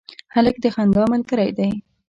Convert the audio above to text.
هلک د خندا ملګری دی.